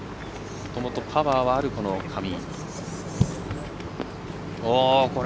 もともとパワーはある上井。